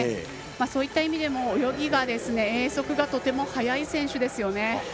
そういった意味でも泳ぎが泳速がとても速い選手ですよね。